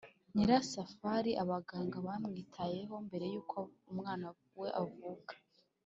nyirasafari abaganga bamwitayeho mbere yuko umwana we avuka,